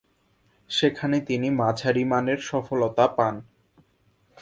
সেখানে তিনি মাঝারিমানের সফলতা পান।